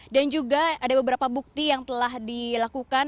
dan juga ada beberapa bukti yang telah dilakukan